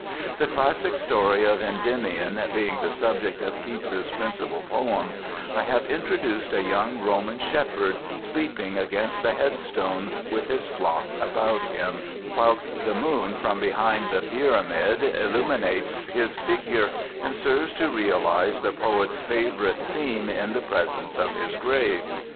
The classic story of Endymion being the subject of Keats's principal poem, I have introduced a young Roman shepherd sleeping against the head stone with his flock about him, whilst the moon from behind the pyramid illuminates his figure and serves to realize the poet's favorite theme in the presence of his grave.